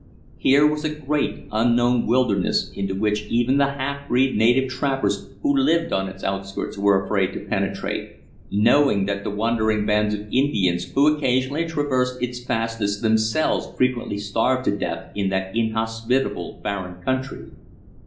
Here was a great, unknown wilderness into which even the half breed native trappers who lived on its outskirts were afraid to penetrate, knowing that the wandering bands of Indians who occasionally traversed its fastnesses themselves frequently starved to death in that inhospitable, barren country.